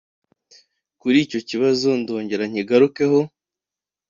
Kuli icyo kibazo ndongera nkigarukeho